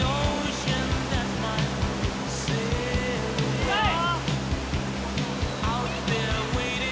・うまい！